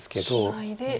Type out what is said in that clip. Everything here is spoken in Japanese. ツナいで。